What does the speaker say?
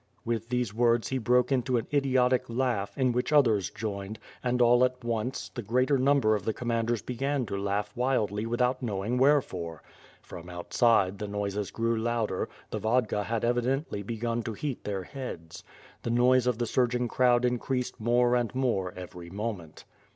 With these words, he broke into an idiotic laugh, in which others joined, and all at once, the greater number of the commanders began to laugh wildly without knowing where fore. From outside, the noises grew louder, the vodka had evidently begun to heat their heads. The noise of the surg ing crowd increased more and more every moment.